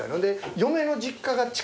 嫁の実家が近くて。